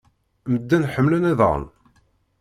Medden ḥemmlen iḍan.